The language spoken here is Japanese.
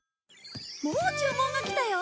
もう注文が来たよ。